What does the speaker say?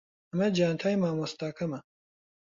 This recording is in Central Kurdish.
ئەمە جانتای مامۆستاکەمە.